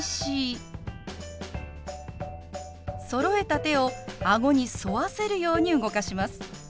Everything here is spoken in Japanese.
そろえた手を顎に沿わせるように動かします。